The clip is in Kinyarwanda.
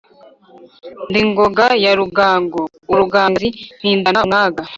Ndi Ngoga ya Rugango, urugangazi mpindana umwaga.